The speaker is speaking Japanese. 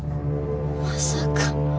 まさか。